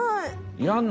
いらんの？